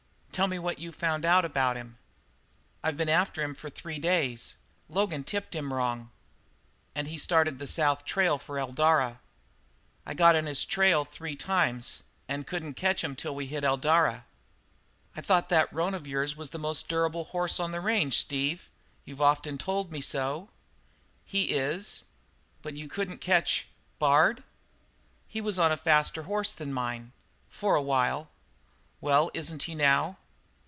"Tell me what you've found out about him." "I been after him these three days. Logan tipped him wrong, and he started the south trail for Eldara. I got on his trail three times and couldn't catch him till we hit Eldara." "I thought your roan was the most durable horse on the range, Steve. You've often told me so." "He is." "But you couldn't catch Bard?" "He was on a faster horse than mine for a while." "Well? Isn't he now?'